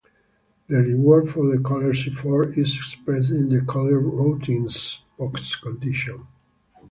The reward for the caller's effort is expressed in the called routine's postcondition.